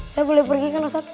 saya boleh pergi kan ustadz